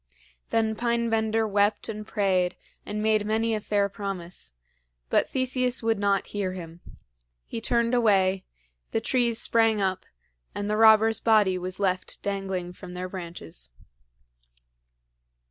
Then Pine bender wept and prayed and made many a fair promise; but Theseus would not hear him. He turned away, the trees sprang up, and the robber's body was left dangling from their branches.